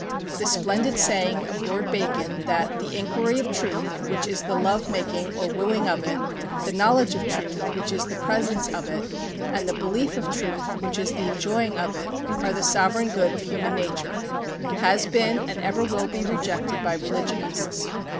The splendid saying of Lord Bacon that "The inquiry of truth, which is the love making or wooing of it, the knowledge of truth, which is the presence of it, and the belief of truth, which is the enjoying of it, are the sovereign good of human nature," has been, and ever will be, rejected by religionists.